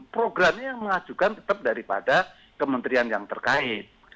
programnya yang mengajukan tetap daripada kementerian yang terkait